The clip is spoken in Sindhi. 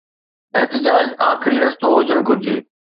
احتجاج آخري رستو هجڻ گهرجي.